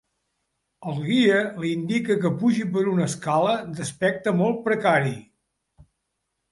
El guia li indica que pugi per una escala d'aspecte molt precari.